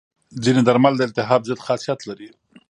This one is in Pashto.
ځینې درمل د التهاب ضد خاصیت لري.